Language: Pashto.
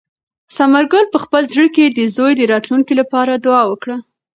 ثمر ګل په خپل زړه کې د زوی د راتلونکي لپاره دعا وکړه.